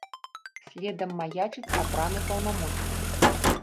Следам маячыць абраны паўнамоцны.